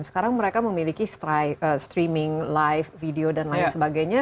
sekarang mereka memiliki streaming live video dan lain sebagainya